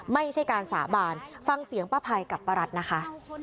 ไม่ใช่การสาบานฟังเสียงป้าภัยกับป้ารัฐนะคะ